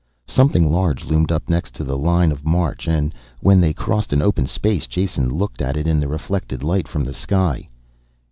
Something large loomed up next to the line of march, and when they crossed an open space Jason looked at it in the reflected light from the sky.